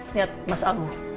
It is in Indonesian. lihat mas almu